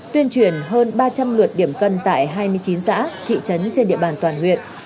tuyên truyền hơn ba trăm linh lượt điểm cân tại hai mươi chín xã thị trấn trên địa bàn toàn huyện